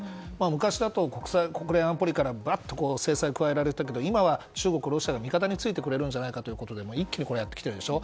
昔だと国連安保理から制裁を加えられたけど今は中国、ロシアが味方についてくれるんじゃないかということで一気にやってきてるでしょ。